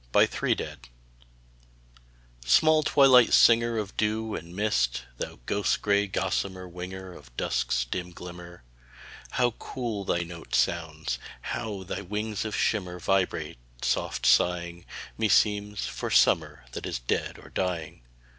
TO THE LEAF CRICKET I Small twilight singer Of dew and mist: thou ghost gray, gossamer winger Of dusk's dim glimmer, How cool thy note sounds; how thy wings of shimmer Vibrate, soft sighing, Meseems, for Summer that is dead or dying.